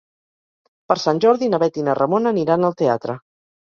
Per Sant Jordi na Bet i na Ramona aniran al teatre.